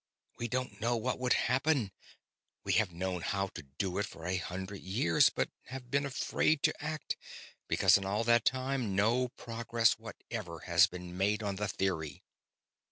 We don't know what would happen. We have known how to do it for a hundred years, but have been afraid to act because in all that time no progress whatever has been made on the theory."